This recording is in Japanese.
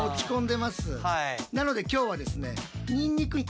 なので今日はですね